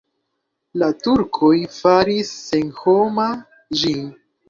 La turkoj faris senhoma ĝin.